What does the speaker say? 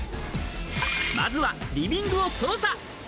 まずはリビングを捜査。